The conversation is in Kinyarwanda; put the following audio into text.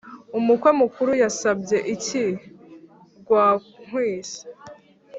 Umukwe mukuru yasabye iki gwakwisi?